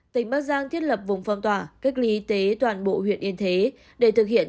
tp hcm thiết lập vùng phong tỏa cách ly y tế toàn bộ huyện yên thế để thực hiện